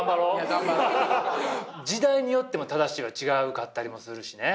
時代によっても正しいが違うかったりもするしね。